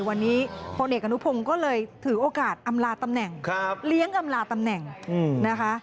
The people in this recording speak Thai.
วันนี้พลเอกอนุพงศ์ก็เลยถือโอกาสอำลาตำแหน่งเลี้ยงอำลาตำแหน่งนะคะ